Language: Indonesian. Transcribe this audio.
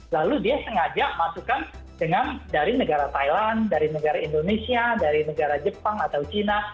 lalu dia sengaja masukkan dengan dari negara thailand dari negara indonesia dari negara jepang atau cina